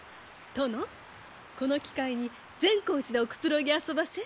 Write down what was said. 殿この機会に善光寺でおくつろぎあそばせ。